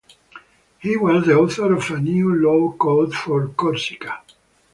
He was the author of a new law code for Corsica.